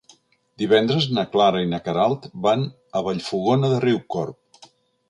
Divendres na Clara i na Queralt van a Vallfogona de Riucorb.